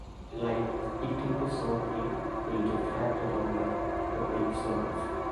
Light hitting the zone plate will diffract around the opaque zones.